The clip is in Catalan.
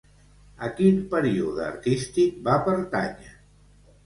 A quin període artístic va pertànyer?